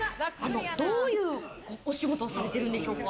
どういうお仕事をされてるんでしょうか？